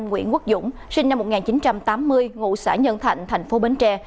nguyễn quốc dũng sinh năm một nghìn chín trăm tám mươi ngụ xã nhân thạnh thành phố bến tre